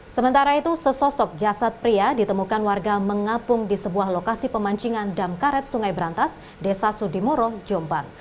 sementara itu sesosok jasad pria ditemukan warga mengapung di sebuah lokasi pemancingan damkaret sungai berantas desa sudimoro jombang